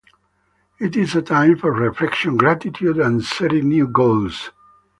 It is a time for reflection, gratitude, and setting new goals.